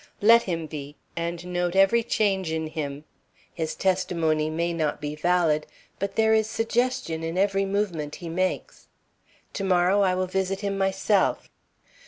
"Let him be, and note every change in him. His testimony may not be valid, but there is suggestion in every movement he makes. To morrow I will visit him myself."